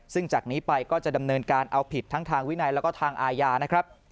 ซึ่งจากนี้ไปก็จะดำเนินการเอาผิดทั้งทางวินัยแล้วก็ทางอาญานะครับ